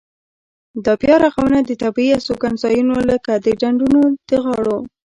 دا بیا رغونه د طبیعي استوګنځایونو لکه د ډنډونو د غاړو.